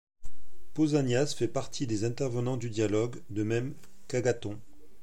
Pausanias fait partie des intervenants du dialogue, de même qu'Agathon.